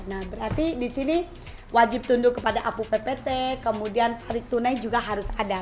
nah berarti di sini wajib tunduk kepada apu ppt kemudian tarik tunai juga harus ada